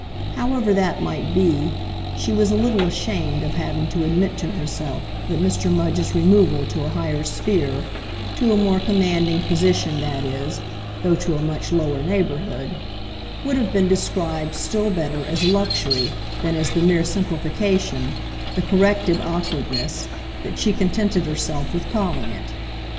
However that might be, she was a little ashamed of having to admit to herself that Mr. Mudge's removal to a higher sphere—to a more commanding position, that is, though to a much lower neighbourhood—would have been described still better as a luxury than as the mere simplification, the corrected awkwardness, that she contented herself with calling it.